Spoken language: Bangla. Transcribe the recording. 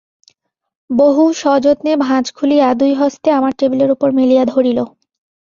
বহু সযত্নে ভাঁজ খুলিয়া দুই হস্তে আমার টেবিলের উপর মেলিয়া ধরিল।